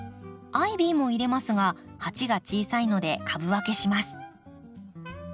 アイビーも入れますが鉢が小さいので株分けします。